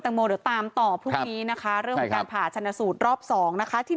ตังโมตามต่อพรุ่งนี้นะคะเรื่องการผ่าชนะสูตรรอบ๒นะคะที่